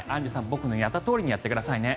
僕のやったとおりにやってくださいね。